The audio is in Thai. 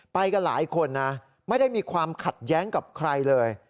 ไปกันหลายคนนะไม่ได้มีความขัดแย้งกับใครเลย